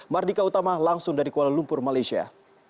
mardika utama langsung dari kuala lumpur malaysia